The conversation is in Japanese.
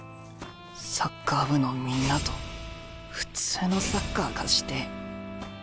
サッカー部のみんなと普通のサッカーがしてえ。